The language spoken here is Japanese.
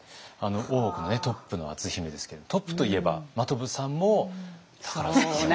大奥のトップの篤姫ですけれどもトップといえば真飛さんも宝塚のトップスター。